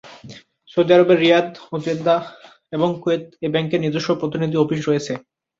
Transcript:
Saudi আরবের Riyadh ও Jeddah এবং কুয়েত এ ব্যাংকের নিজস্ব প্রতিনিধি অফিস রয়েছে।